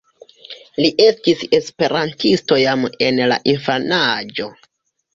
Li estis esperantisto jam en la infanaĝo.